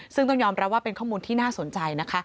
ซึ่งต้องยอมรับว่าเป็นข้อมูลที่น่าสนใจนะคะ